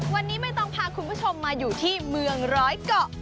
วันนี้ไม่ต้องพาคุณผู้ชมมาอยู่ที่เมืองร้อยเกาะ